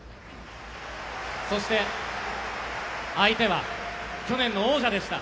そして相手は去年の王者でした。